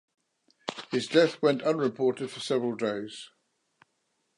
His death went unreported for several days.